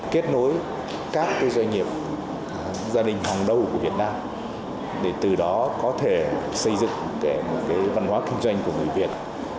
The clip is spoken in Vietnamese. kết nối các doanh nghiệp gia đình hàng đầu của việt nam để từ đó có thể xây dựng một văn hóa kinh doanh của người việt